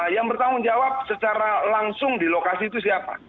yang bertanggung jawab secara langsung di lokasi itu siapa